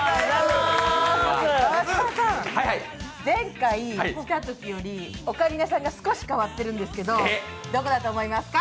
川島さん、前回来たときよりオカリナさんが少し変わってるんですけど、どこだと思いますか？